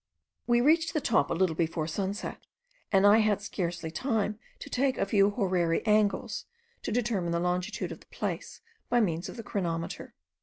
We reached the top a little before sunset, and I had scarcely time to take a few horary angles, to determine the longitude of the place by means of the chronometer.